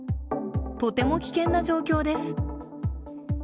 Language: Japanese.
とても危険な状況です。